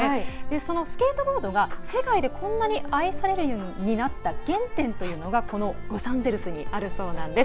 そのスケートボードが世界でこんなに愛されるようになった原点というのがロサンゼルスにあるそうなんです。